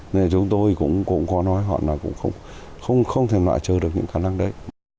nên chúng tôi cũng có nói họ cũng không thể nọa chờ được những khả năng đấy